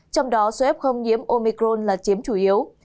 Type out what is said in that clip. trong đó số f không nhiễm omicron là chiếm chủ yếu